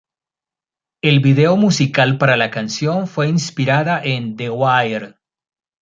El vídeo musical para la canción fue inspirado en "The Wire".